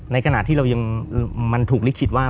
ขณะที่เรายังมันถูกลิขิตว่า